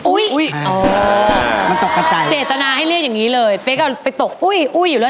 อุ้ยอุ้ยอุ้ยอ๋อมันตกกับใจเจตนาให้เรียกอย่างงี้เลยเฟ้กเอาไปตกอุ้ยอุ้ยอยู่แล้ว